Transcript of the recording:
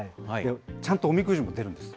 ちゃんとおみくじも出るんですよ。